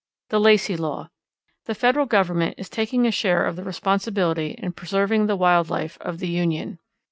The Lacey Law. The Federal Government is taking a share of the responsibility in preserving the wild life of the Union.